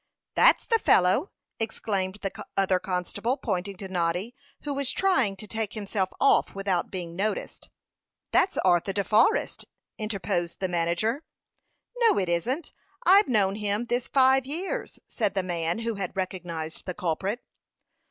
"That's the fellow!" exclaimed the other constable, pointing to Noddy, who was trying to take himself off without being noticed. "That's Arthur De Forrest," interposed the manager. "No, it isn't; I've known him this five years," said the man who had recognized the culprit.